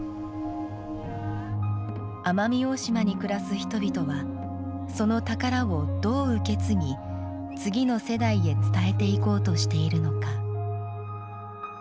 奄美大島に暮らす人々は、その宝をどう受け継ぎ、次の世代へ伝えていこうとしているのか。